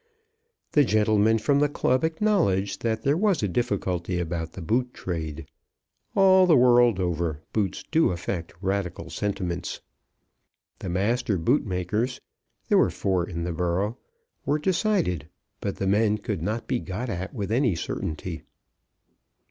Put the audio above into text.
The gentleman from the club acknowledged that there was a difficulty about the boot trade. All the world over, boots do affect radical sentiments. The master bootmakers, there were four in the borough, were decided; but the men could not be got at with any certainty.